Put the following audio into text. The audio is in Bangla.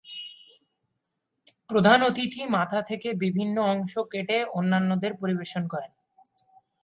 প্রধান অতিথি মাথা থেকে বিভিন্ন অংশ কেটে অন্যান্যদের পরিবেশন করেন।